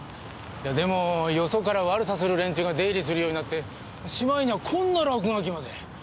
でもよそから悪さする連中が出入りするようになってしまいにはこんな落書きまで。